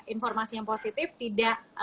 informasi yang positif tidak